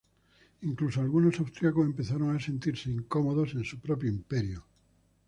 Incluso algunos austriacos empezaron a sentirse incómodos en su propio Imperio.